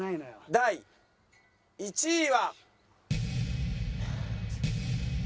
第１位は。